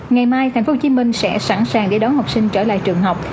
ngày mai tp hcm sẽ sẵn sàng để đón học sinh trở lại trường học